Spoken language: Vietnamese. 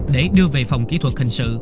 để đưa về phòng kỹ thuật hình sự